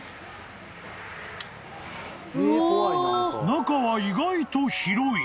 ［中は意外と広い］